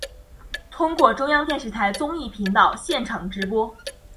通过中央电视台综艺频道现场直播。